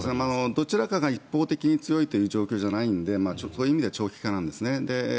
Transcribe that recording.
どちらかが一方的に強いという状況ではないのでそういう意味では長期化なんですね。